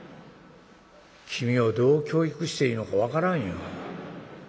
「君をどう教育していいのか分からんよ。